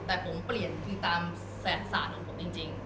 แต่ผมเปลี่ยนตามแสบสารของผมจริง